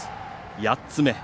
８つ目。